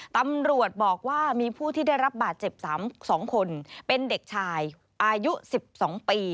ตำรวจบอกว่ามีผู้ที่ได้รับบาดเจ็บ๒คนเป็นเด็กชายอายุ๑๒ปี